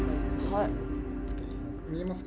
見えますか。